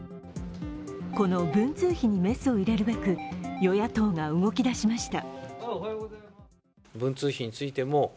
この文通費にメスを入れるべく与野党が動きだしました。